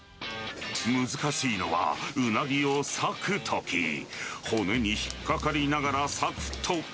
難しいのはウナギを割くとき、骨に引っ掛かりながら割くと。